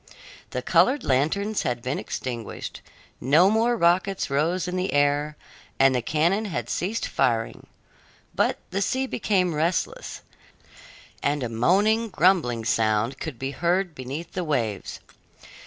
The colored lanterns had been extinguished, no more rockets rose in the air, and the cannon had ceased firing; but the sea became restless, and a moaning, grumbling sound could be heard beneath the waves.